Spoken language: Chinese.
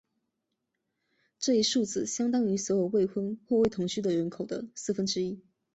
这一数字相当于所有未婚或未同居的人口的四分之一。